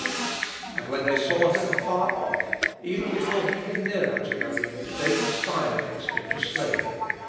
"And when they saw him afar off, even before he came near unto them, they conspired against him to slay him.